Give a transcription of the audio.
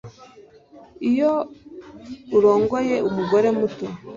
iyo urongoye umugore muto